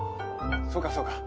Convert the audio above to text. そうかそうか。